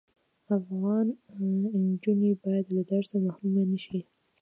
افغان انجوني بايد له درس محرومه نشی